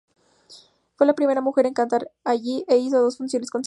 Fue la primera mujer en cantar allí e hizo dos funciones consecutivas.